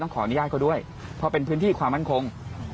ขออนุญาตเขาด้วยเพราะเป็นพื้นที่ความมั่นคง